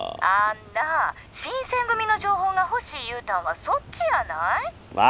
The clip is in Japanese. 「あんなぁ新選組の情報が欲しいゆうたんはそっちやない？」。